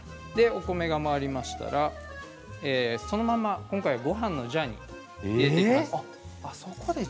お米が回りましたらそのまま今回ごはんのジャーに入れていきます。